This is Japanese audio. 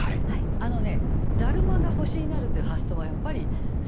あのね達磨が星になるという発想はやっぱりすてきなんですね。